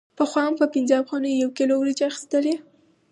پخوا مو په پنځه افغانیو یو کیلو وریجې اخیستلې